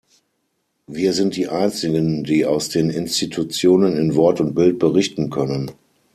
Wir sind die einzigen, die aus den Institutionen in Wort und Bild berichten können.